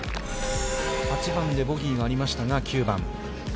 ８番でボギーがありましたが、９番。